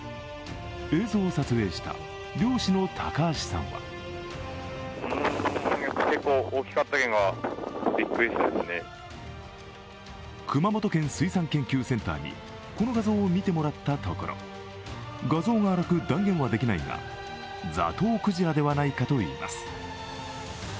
映像を撮影した漁師の高橋さんは熊本県水産研究センターにこの画像を見てもらったところ、画像が荒く断言はできないがザトウクジラではないかといいます。